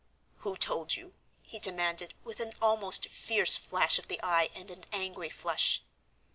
"Who told you?" he demanded, with an almost fierce flash of the eye and an angry flush.